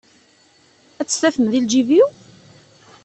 Ad tt-tafem di lǧib-iw?